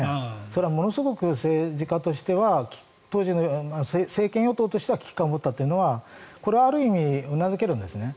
それはものすごく政治家としては当時の政権与党としては危機感を持ったというのはこれはある意味うなずけるんですね。